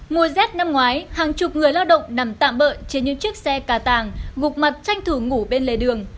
mùa rét năm ngoái hàng chục người lao động nằm tạm bợn trên những chiếc xe cà tàng gục mặt tranh thủ ngủ bên lề đường